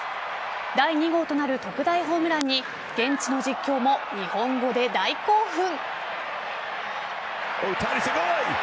第２号となる特大ホームランに現地の実況も日本語で大興奮。